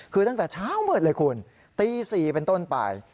คือตั้งแต่เช้ามืดเลยคุณตี๔เป็นต้นไป